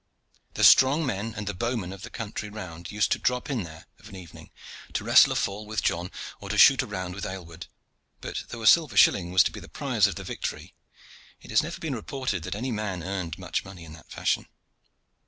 The strong men and the bowmen of the country round used to drop in there of an evening to wrestle a fall with John or to shoot a round with Aylward; but, though a silver shilling was to be the prize of the victory, it has never been reported that any man earned much money in that fashion.